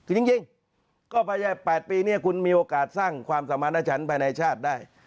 จริงก็ภายใน๘ปีเนี่ยคุณมีโอกาสสร้างความสมารณชันภายในชาติได้